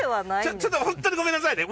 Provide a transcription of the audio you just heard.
ちょっとホントにごめんなさいね。